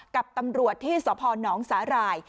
กับตำรวจที่สพนสาหร่าย